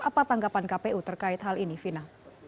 apa tanggapan kpu terkait hal ini fina